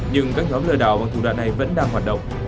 nhưng các nhóm lừa đảo bằng thủ đoạn này vẫn đang hoạt động